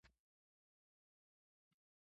君は僕を愛せなかった